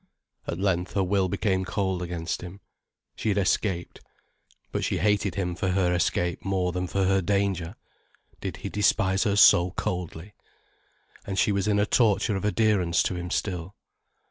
At length her will became cold against him. She had escaped. But she hated him for her escape more than for her danger. Did he despise her so coldly? And she was in torture of adherence to him still.